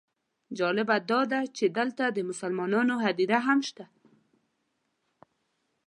جالبه داده چې دلته د مسلمانانو هدیره هم شته.